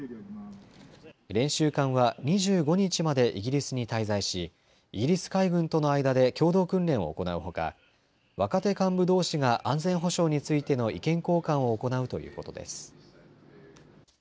練習艦は２５日までイギリスに滞在し、イギリス海軍との間で共同訓練を行うほか若手幹部どうしが安全保障についての意見交換を行うということです。